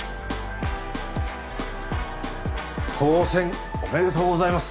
当選おめでとうございます。